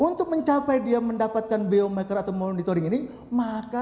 nah untuk mencapai dia mendapatkan biomarker atau monitor itu harus diperhatikan